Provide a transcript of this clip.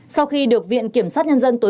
sau khi được viện kiểm sát nhân dân tuổi